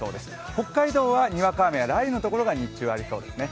北海道はにわか雨や雷雨の所が日中ありそうですね。